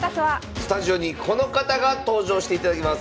スタジオにこの方が登場していただきます。